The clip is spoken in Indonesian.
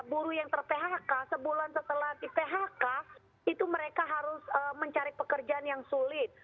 buruh yang ter phk sebulan setelah di phk itu mereka harus mencari pekerjaan yang sulit